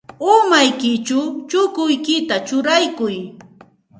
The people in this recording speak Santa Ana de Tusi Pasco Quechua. Umaykićhaw chukuykita churaykuy.